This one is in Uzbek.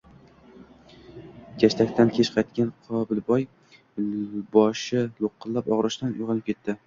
Gashtakdan kech qaytgan Qobilboy boshi lo`qillab og`rishidan uyg`onib ketdi